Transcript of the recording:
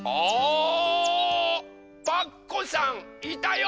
パクこさんいたよ！